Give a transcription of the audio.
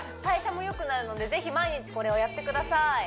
代謝も良くなるのでぜひ毎日これをやってください